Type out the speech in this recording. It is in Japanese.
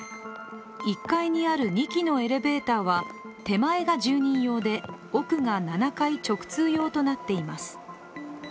１階にある２基のエレベーターは手前が住人用で奥が７階直通用となっています。